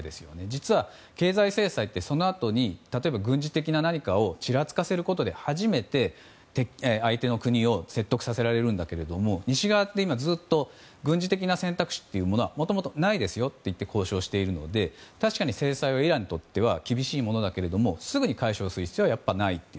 実は経済制裁ってそのあとに例えば軍事的な何かをちらつかせることで初めて相手の国を説得させられるんだけど西側って今ずっと軍事的な選択肢はもともとないですよと言って交渉しているので確かに制裁はイランにとっては厳しいものだけどすぐに解消する必要はないと。